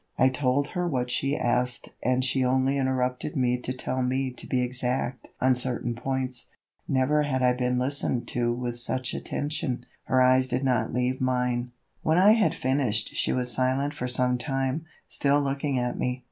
I told her what she asked and she only interrupted me to tell me to be exact on certain points. Never had I been listened to with such attention. Her eyes did not leave mine. When I had finished she was silent for some time, still looking at me.